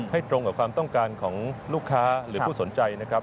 ให้ตรงกับความต้องการของลูกค้าหรือผู้สนใจ